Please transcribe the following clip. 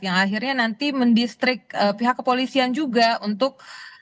yang akhirnya nanti mendistrik pihak kepolisian juga untuk